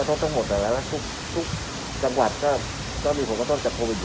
มันจะมีแผนที่จะกระตุ้นการท่องเพรียว